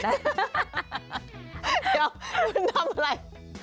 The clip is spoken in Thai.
เดี๋ยวมึงทำอะไร